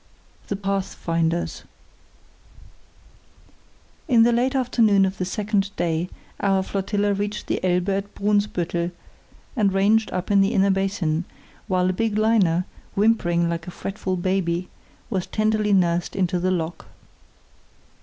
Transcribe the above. The Pathfinders In the late afternoon of the second day our flotilla reached the Elbe at Brunsbüttel and ranged up in the inner basin, while a big liner, whimpering like a fretful baby, was tenderly nursed into the lock.